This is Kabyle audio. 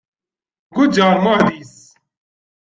Guǧǧeɣ ɣer Muɛdis.